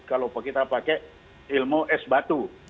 kalau kita pakai ilmu es batu